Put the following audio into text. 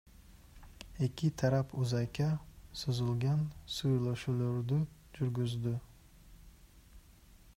Эки тарап узакка созулган сүйлөшүүлөрдү жүргүздү.